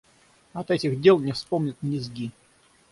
От этих дел не вспомнят ни зги.